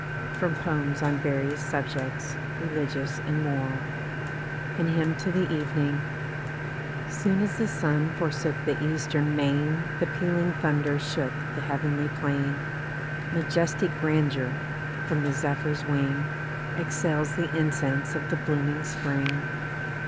From Poems on Various Subjects, Religious and Moral. 176 ] UNSUNG HEROES AN HYMN TO THE EVENING Soon as the sun forsook the eastern main The pealing thunder shook the heav'nly plain; Majestic grandeur! From the zephyr's wing, Exhales the incense of the blooming spring.